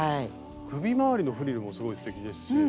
首回りのフリルもすごいすてきですし。